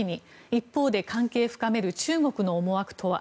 一方で、関係深める中国の思惑とは。